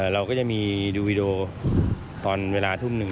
เราก็จะมีดูวีดีโอตอนเวลาทุ่มหนึ่ง